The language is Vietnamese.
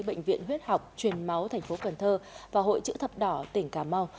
bệnh viện huyết học truyền máu tp cn và hội chữ thập đỏ tỉnh cà mau